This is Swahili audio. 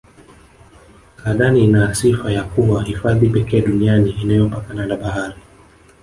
saadani ina sifa ya kuwa hifadhi pekee duniani inayopakana na bahari